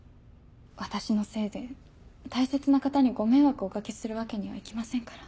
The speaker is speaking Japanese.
私のせいで大切な方にご迷惑をお掛けするわけにはいきませんから。